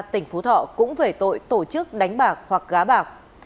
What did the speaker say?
tỉnh phú thọ cũng về tội tổ chức đánh bạc hoặc gá bạc